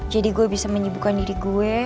jadi gue bisa menyibukkan diri gue